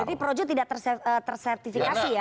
jadi projo tidak tersertifikasi ya